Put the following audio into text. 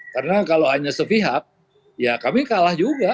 karena kalau hanya sepihak ya kami kalah juga